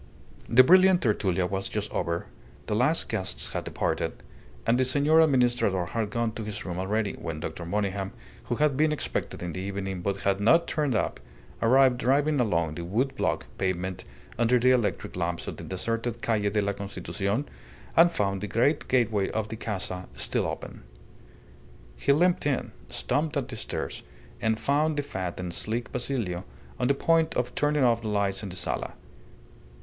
The brilliant tertulia was just over, the last guests had departed, and the Senor Administrador had gone to his room already, when Dr. Monygham, who had been expected in the evening but had not turned up, arrived driving along the wood block pavement under the electric lamps of the deserted Calle de la Constitucion, and found the great gateway of the Casa still open. He limped in, stumped up the stairs, and found the fat and sleek Basilio on the point of turning off the lights in the sala.